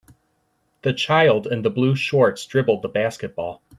The child in the blue shorts dribbled the basketball.